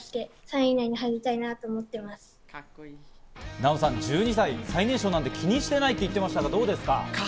ナヲさん、１２歳、最年少なんて気にしてないって言ってましたけどどうですか？